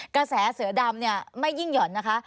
กระแสเสือดำเนี่ยไม่ยิ่งหย่อนนะคะ